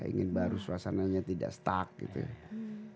ingin baru suasananya tidak stuck gitu ya